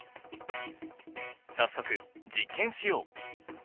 早速実験しよう！